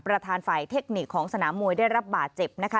ประธานฝ่ายเทคนิคของสนามมวยได้รับบาดเจ็บนะคะ